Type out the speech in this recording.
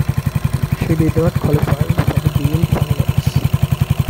She did not qualify for the beam finals.